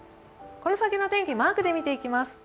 この先の天気、マークで見ていきます。